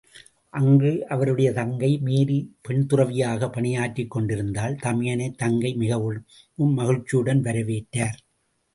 அங்கு அவருடைய தங்கை மேரி பெண்துறவியாகப் பணியாற்றிக் கொண்டிருந்தாள் தமையனை தங்கை மிகவும் மகிழ்ச்சியுடன் வரவேற்றார்.